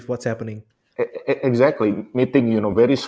tepat sekali kita bertemu dengan mereka